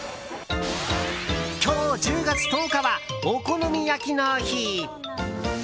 今日１０月１０日はお好み焼の日。